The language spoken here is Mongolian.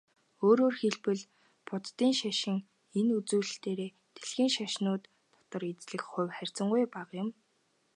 Өөрөөр хэлбэл, буддын шашин энэ үзүүлэлтээрээ дэлхийн шашнууд дотор эзлэх хувь харьцангуй бага юм.